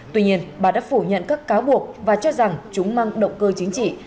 tuy nhiên bà đã phủ nhận các cáo buộc và cho rằng chúng mang động cơ chính trị